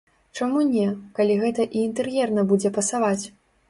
Чаму не, калі гэта і інтэр'ерна будзе пасаваць?